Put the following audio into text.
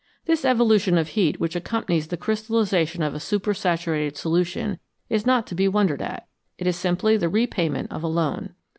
This evolution of heat which accompanies the crystal lisation of a supersaturated solution is not to be wondered at ; it is simply the repayment of a loan.